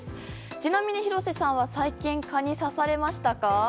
ちなみに廣瀬さんは最近、蚊に刺されましたか？